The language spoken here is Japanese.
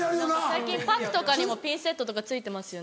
最近パックとかにもピンセットとか付いてますよね。